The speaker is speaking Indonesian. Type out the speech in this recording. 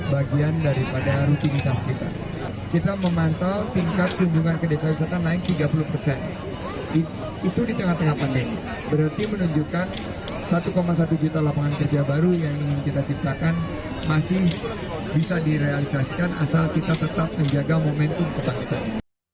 berarti menunjukkan satu satu juta lapangan kerja baru yang kita ciptakan masih bisa direalisasikan asal kita tetap menjaga momentum setanggung